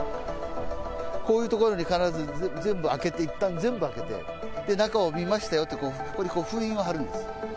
こういう所に、必ず全部開けて、いったん全部開けて、中を見ましたよと、ここに封印を貼るんです。